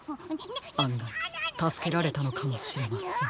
あんがいたすけられたのかもしれません。